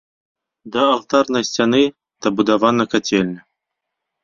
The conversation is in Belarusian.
Да алтарнай сцяны дабудавана кацельня.